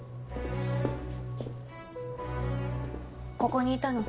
ここにいたの？